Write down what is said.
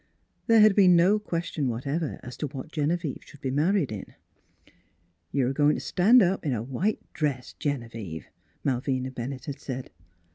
There had been no question whatever as to what Genevieve should be married in. " You're a goin' t' stan' up in a white dress, Genevieve," Malvina Bennett had said.